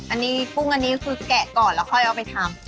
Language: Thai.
อันนี้กุ้งอันนี้คือแกะก่อนแล้วค่อยเอาไปทำ